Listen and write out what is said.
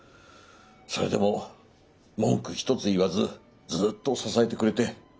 それでも文句一つ言わずずっと支えてくれて。